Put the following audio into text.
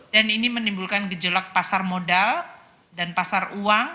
dan ini menimbulkan gejolak pasar modal dan pasar uang